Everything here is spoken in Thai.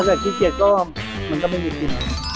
ถ้าคิดเคียดก็มันก็ไม่ยินให้มี